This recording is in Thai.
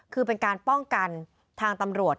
คือเป็นการป้องกันทางตำรวจ